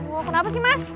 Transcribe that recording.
wah kenapa sih mas